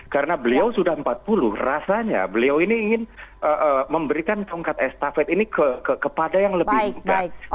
karena beliau sudah empat puluh rasanya beliau ini ingin memberikan tongkat estafet ini kepada yang lebih muda